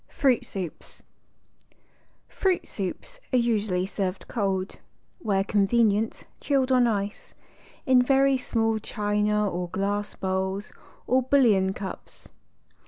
FRUIT SOUPS Fruit Soups are usually served cold â where convenient chilled on ice â in very small china or glass bowls or bouillon cups.